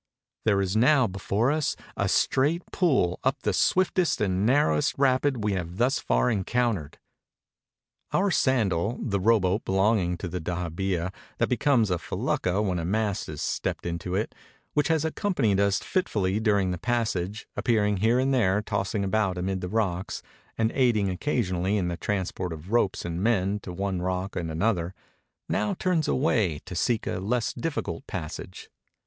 There is now before us a straight pull up the swiftest and narrowest rapid we have thus far encountered. Our sandal — the rowboat belonging to the dahabeah that becomes a felucca when a mast is stepped into it — which has accompanied us fitfully during the passage, appearing here and there tossing about amid the rocks, and aiding occasionally in the transport of ropes and men to one rock and another, now turns away to seek a less difficult passage.